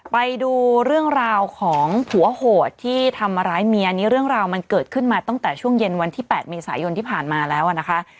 ไปดูเรื่องราวของผัวโหดที่ทำร้ายเมียนี่เรื่องราวมันเกิดขึ้นมาตั้งแต่ช่วงเย็นวันที่๘เมษายนที่ผ่านมาแล้วนะคะ